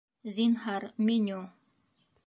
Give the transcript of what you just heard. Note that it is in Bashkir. Зинһар, меню